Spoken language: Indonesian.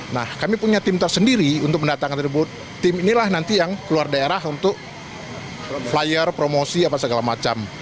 nah kami punya tim tersendiri untuk mendatangkan tim inilah nanti yang keluar daerah untuk flyer promosi apa segala macam